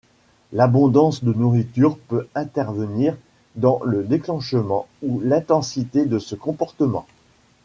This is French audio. L'abondance de nourriture peut intervenir dans le déclenchement ou l'intensité de ce comportement.